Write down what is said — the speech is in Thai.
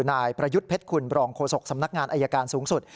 นายประยุทธ์เพชรคุณบรองโฆษกสำนักงานอายการสูงสุด